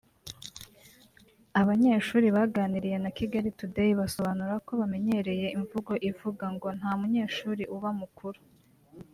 Abanyeshuri baganiriye na Kigali today basobanura ko bamenyereye imvugo ivuga ngo ”Nta munyeshuri uba mukuru”